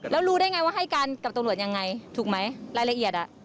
แล้วรู้ได้ไงว่าให้การกับตำรวจยังไงถูกไหมรายละเอียด